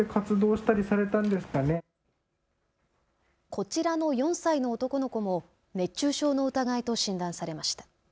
こちらの４歳の男の子も熱中症の疑いと診断されました。